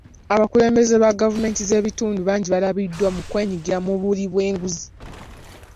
Abakulembeze ba gavumenti z'ebitundu bangi balabiddwa mu kwenyigira mu buli bw'enguzi